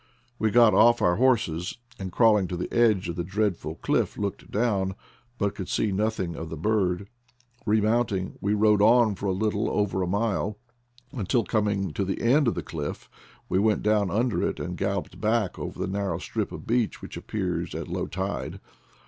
We got off our horses, and crawling to the edge of the dreadful cliff looked down, but could see nothing of the bird. Remounting we rode on for a little over a mile, until coming to the end of the cliff we went down under it and galloped back over the narrow strip of beach which appears at low tide.